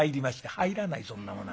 「入らないそんなものは。